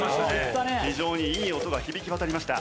非常にいい音が響き渡りました。